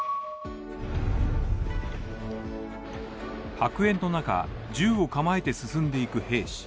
白煙の中銃を構えて進んでいく兵士